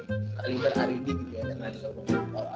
kalimah ari gi gitu ya